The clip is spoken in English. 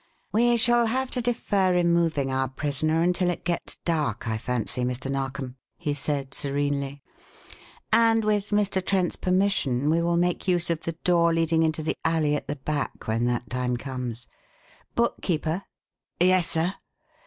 "We shall have to defer removing our prisoner until it gets dark, I fancy, Mr. Narkom," he said, serenely. "And with Mr. Trent's permission we will make use of the door leading into the alley at the back when that time comes. Bookkeeper!" "Yes, sir?"